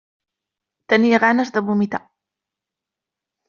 Tenia ganes de vomitar.